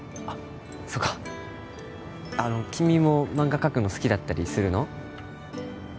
あっそうか君も漫画描くの好きだったりするの？